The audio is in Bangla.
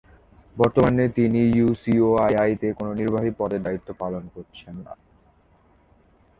তিনি বর্তমানে ইউসিওআইআই-তে কোনও নির্বাহী পদের দায়িত্ব পালন করছেন না।